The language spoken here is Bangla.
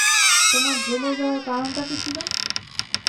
তোমার জেলে যাওয়ার কারণটা কী ছিলো?